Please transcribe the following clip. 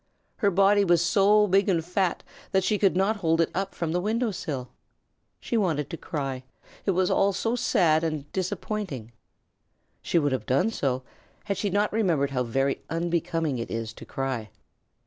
Her body was so big and fat that she could not hold it up from the window sill. She wanted to cry it was all so sad and disappointing. She would have done so, had she not remembered how very unbecoming it is to cry.